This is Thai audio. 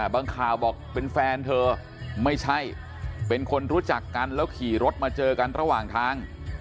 ข่าวบอกเป็นแฟนเธอไม่ใช่เป็นคนรู้จักกันแล้วขี่รถมาเจอกันระหว่างทาง